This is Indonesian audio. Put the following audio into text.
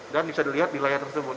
dan bisa dilihat di layar tersebut